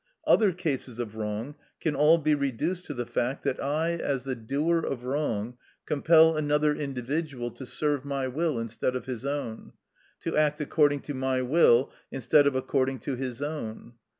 Other cases of wrong can all be reduced to the fact that I, as the doer of wrong, compel another individual to serve my will instead of his own, to act according to my will instead of according to his own.